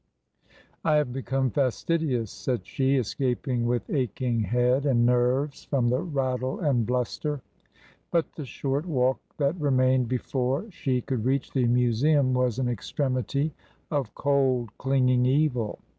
" I have become fastidious," said she, escaping with aching head and nerves from the rattle and bluster. But the short walk that remained before she could reach the Museum was an extremity of cold clinging evil.